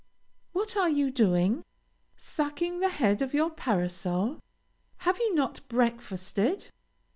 What are you doing? Sucking the head of your parasol! Have you not breakfasted?